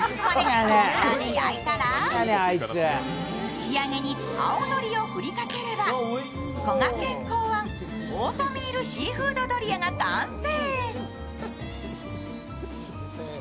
仕上げに青のりを振りかければ、こがけん考案、オートミールシーフードドリアが完成。